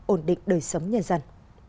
ổn định đời sống nhân dân